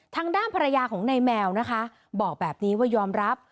ทางด้านภรรยาของนายแมวนะคะบอกแบบนี้ว่ายอมรับ